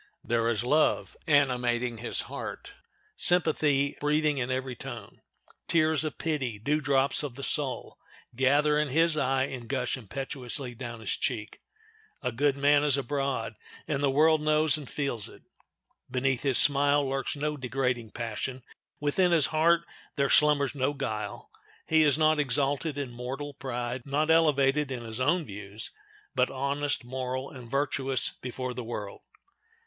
There is love animating his heart, sympathy breathing in every tone. Tears of pity—dew drops of the soul—gather in his eye, and gush impetuously down his cheek. A good man is abroad, and the world knows and feels it. Beneath his smile lurks no degrading passion; within his heart there slumbers no guile. He is not exalted in mortal pride, not elevated in his own views, but honest, moral, and virtuous before the world.